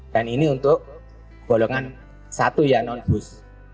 dan ini untuk bolongan satu ya non bus